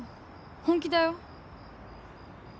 本気だよ。